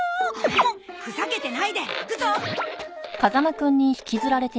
ふざけてないで行くぞ。